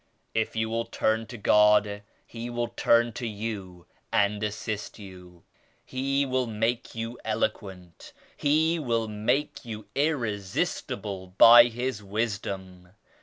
If you will turn to God, He will turn to you and assist you. He will make you eloquent. He will make you irre sistible by His Wisdom.